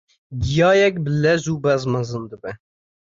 giyayek bi lez û bez mezin dibe.